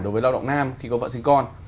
đối với lao động nam khi có vợ sinh con